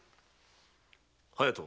隼人。